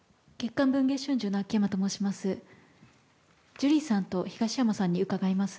ジュリーさんと東山さんに伺います。